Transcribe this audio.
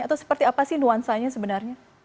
atau seperti apa sih nuansanya sebenarnya